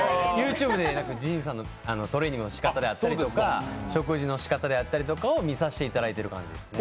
ＹｏｕＴｕｂｅでＪＩＮさんのトレーニングのしかたであったりとか食事の仕方であったりとかを見させていただいている感じですね。